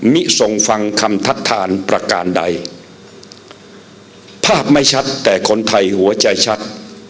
มิทรงฟังคำทัดทานประการใดภาพไม่ชัดแต่คนไทยหัวใจชัด